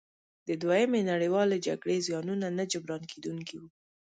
د دویمې نړیوالې جګړې زیانونه نه جبرانیدونکي وو.